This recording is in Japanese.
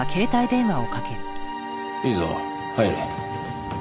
いいぞ入れ。